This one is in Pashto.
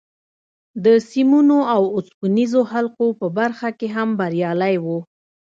د سیمونو او اوسپنیزو حلقو په برخه کې هم بریالی و